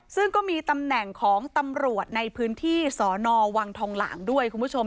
ซึ่งก็มีตำแหน่งของตำรวจในพื้นที่สนวังทองหลางด้วยคุณผู้ชม